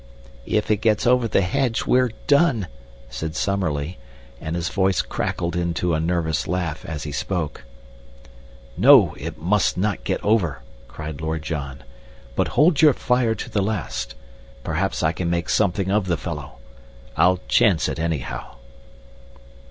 "If it gets over the hedge we're done," said Summerlee, and his voice crackled into a nervous laugh as he spoke. "No, it must not get over," cried Lord John; "but hold your fire to the last. Perhaps I can make something of the fellow. I'll chance it, anyhow."